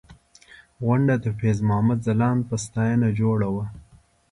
غونډه د فیض محمد ځلاند په ستاینه جوړه وه.